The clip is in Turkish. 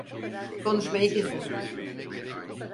Konuşmayı kesin.